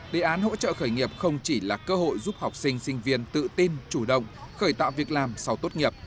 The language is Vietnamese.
đề án hỗ trợ khởi nghiệp không chỉ là cơ hội giúp học sinh sinh viên tự tin chủ động khởi tạo việc làm sau tốt nghiệp